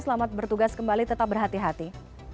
selamat bertugas kembali tetap berhati hati